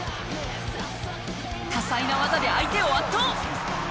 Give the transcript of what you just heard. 多彩な技で相手を圧倒！